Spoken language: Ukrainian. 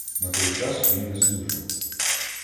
На той час він нездужав.